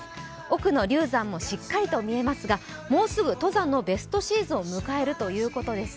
奥の瀧山もしっかりと見えますがもうすぐ登山のベストシーズンを迎えるということです。